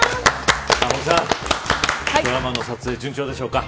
ドラマの撮影順調でしょうか。